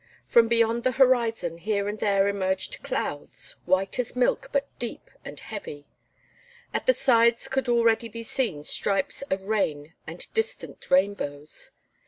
From beyond the horizon here and there emerged clouds, white as milk but deep and heavy. At the sides could already be seen stripes of rain and distant rainbows.